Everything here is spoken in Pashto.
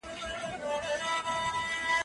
تاسي باید خپلې سترګې له انټرنيټ څخه ستړې نه کړئ.